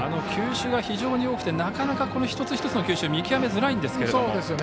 球種が非常に多くてなかなか一つ一つの球種を見極めづらいんですが。